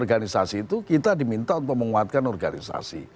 organisasi itu kita diminta untuk menguatkan organisasi